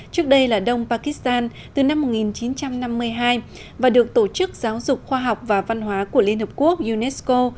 trước đây là đông pakistan từ năm một nghìn chín trăm năm mươi hai và được tổ chức giáo dục khoa học và văn hóa của liên hợp quốc unesco